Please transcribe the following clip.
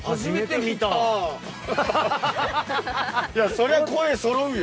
そりゃ声そろうよ。